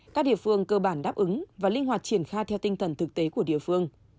các địa phương cơ bản đáp ứng và linh hoạt triển khai theo tinh thần thực tế của địa phương